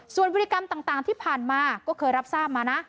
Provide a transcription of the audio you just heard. ส่วนวิธีกรรมต่างที่ผ่านมาก็เคยรับทราบมานะ